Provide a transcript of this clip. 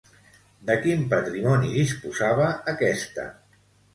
De quin patrimoni disposava aquesta?